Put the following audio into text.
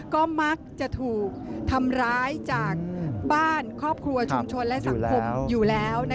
ก็มักจะถูกทำร้ายจากบ้านครอบครัวชุมชนและสังคมอยู่แล้ว